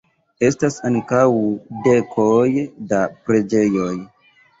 Estas ankaŭ dekoj da preĝejoj.